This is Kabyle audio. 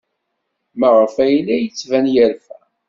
Maɣef ay la d-yettban yerfa?